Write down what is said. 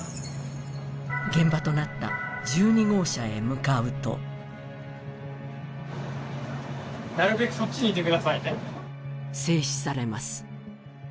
現場となった１２号車へ向かうと制止されます